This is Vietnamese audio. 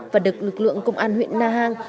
và được lực lượng công an huyện na hàng